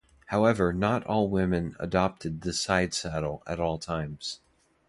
However, not all women adopted the sidesaddle at all times.